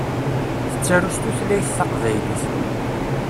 Tettaru s tutlayt taqbaylit.